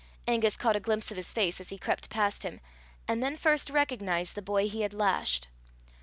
Angus caught a glimpse of his face as he crept past him, and then first recognized the boy he had lashed.